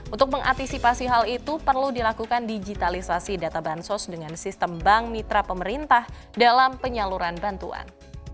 untuk mengantisipasi hal itu perlu dilakukan digitalisasi data bansos dengan sistem bank mitra pemerintah dalam penyaluran bantuan